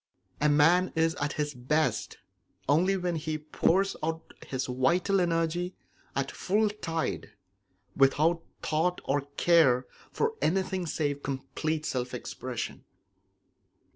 A man is at his best only when he pours out his vital energy at full tide, without thought or care for anything save complete self expression.